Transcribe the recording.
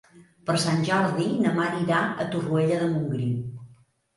Per Sant Jordi na Mar irà a Torroella de Montgrí.